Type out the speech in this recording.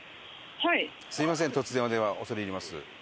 すみません、突然お電話、恐れ入ります。